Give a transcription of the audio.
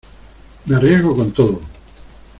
me arriesgo con todo.